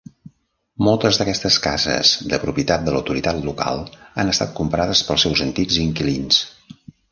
Moltes d'aquestes cases de propietat de l'autoritat local han estat comprades pels seus antics inquilins.